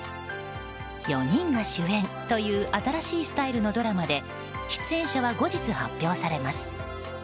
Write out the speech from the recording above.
４人が主演という新しいスタイルのドラマで出演者は後日、発表されます。